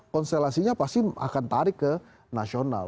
konstelasinya pasti akan tarik ke nasional